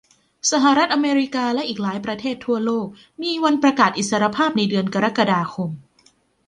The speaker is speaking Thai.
สหรัฐอเมริกาและอีกหลายประเทศทั่วโลกมีวันประกาศอิสรภาพในเดือนกรกฎาคม